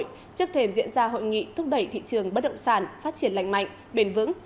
trước thêm diễn ra hội nghị thúc đẩy thị trường bất động sản phát triển lành mạnh bền vững